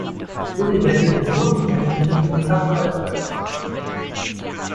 Gullydeckel sind rund, damit sie nicht in den Schacht fallen können.